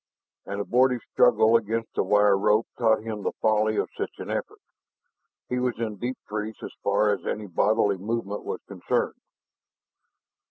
An abortive struggle against the wire rope taught him the folly of such an effort. He was in deep freeze as far as any bodily movement was concerned.